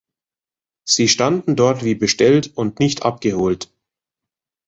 Sie standen dort, wie bestellt und nicht abgeholt.